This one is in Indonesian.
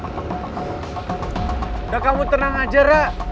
udah kamu tenang aja rak